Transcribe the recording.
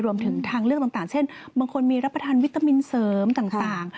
รวมถึงทางเลือกต่างเช่นบางคนมีรับประทานวิตามินเสริมต่าง